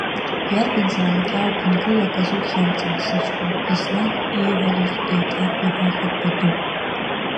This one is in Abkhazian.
Иарбанзаалакь иаауԥынгыло аказы ухьамҵын, сыҷкәын, еснагь ииҳәалоз еиҭа иҳәахит Бадыӷә.